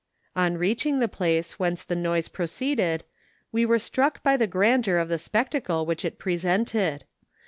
On reaching the place whence the noise pro¬ ceeded we were struck by the grandeur of the spectacle which it presented.